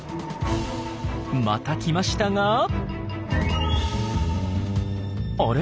また来ましたがあれ？